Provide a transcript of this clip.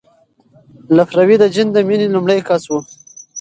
لفروی د جین د مینې لومړی کس و.